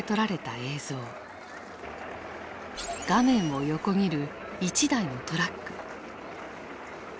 画面を横切る一台のトラック。